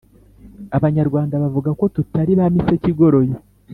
Abanyarwanda bavuga ko tutari ba miseke igoroye